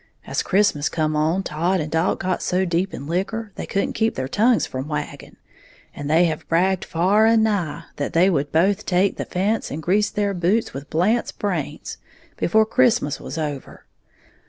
As Christmas come on, Todd and Dalt got so deep in liquor they couldn't keep their tongues from wagging, and they have bragged far and nigh that they would both take the fence and grease their boots with Blant's brains, before Christmas was over.